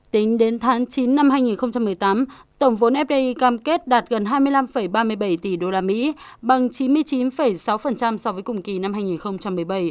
tính đến tháng chín năm hai nghìn một mươi tám tổng vốn fdi cam kết đạt gần hai mươi năm ba mươi bảy tỷ usd bằng chín mươi chín sáu so với cùng kỳ năm hai nghìn một mươi bảy